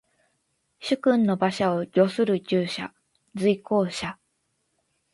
主君の車馬を御する従者。随行者。